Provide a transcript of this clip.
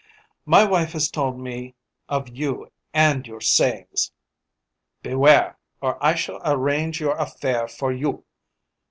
My wife has told me of you and of your sayings. Beware! or I shall arrange your affair for you!